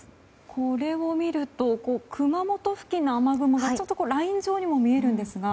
これを見ると熊本付近の雨雲がちょっとライン上にも見えるんですが。